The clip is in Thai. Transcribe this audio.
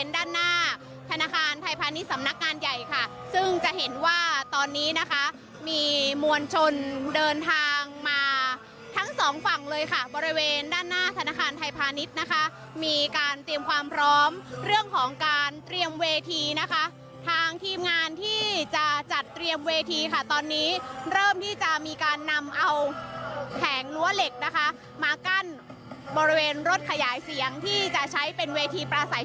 ด้านหน้าธนาคารไทยพาณิชย์สำนักงานใหญ่ค่ะซึ่งจะเห็นว่าตอนนี้นะคะมีมวลชนเดินทางมาทั้งสองฝั่งเลยค่ะบริเวณด้านหน้าธนาคารไทยพาณิชย์นะคะมีการเตรียมความพร้อมเรื่องของการเตรียมเวทีนะคะทางทีมงานที่จะจัดเตรียมเวทีค่ะตอนนี้เริ่มที่จะมีการนำเอาแผงรั้วเหล็กนะคะมากั้นบริเวณรถขยายเสียงที่จะใช้เป็นเวทีประสัย